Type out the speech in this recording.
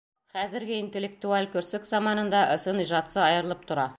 Хәҙерге интеллектуаль көрсөк заманында ысын ижадсы айырылып тора.